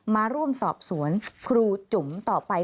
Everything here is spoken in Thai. มาร่วมสอบสวนครูจุ๋มต่อไป